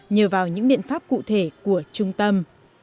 nhờ vào những biện pháp cụ thể của trung tâm